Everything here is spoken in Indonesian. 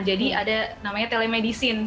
jadi ada namanya telemedicine